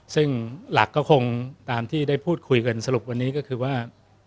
ซึ่งหลักก็คงตามที่ได้พูดคุยกันสรุปวันนี้ก็คือว่า